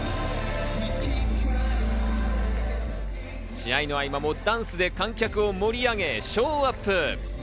試合の合間もダンスで観客を盛り上げ、ショーアップ。